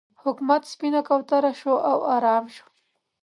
حکومت سپینه کوتره شو او ارام شو.